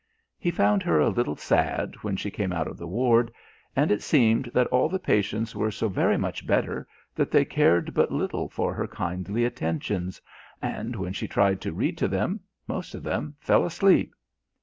He found her a little sad when she came out of the ward, and it seemed that all the patients were so very much better that they cared but little for her kindly attentions, and when she tried to read to them, most of them fell asleep.